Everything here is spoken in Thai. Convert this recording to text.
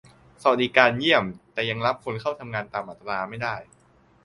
สวัสดิการเยี่ยม แต่ยังรับคนเข้าทำงานตามอัตราไม่ได้